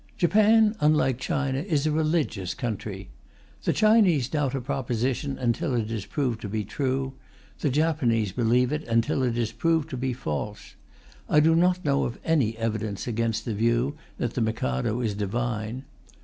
Japan, unlike China, is a religious country. The Chinese doubt a proposition until it is proved to be true; the Japanese believe it until it is proved to be false. I do not know of any evidence against the view that the Mikado is divine.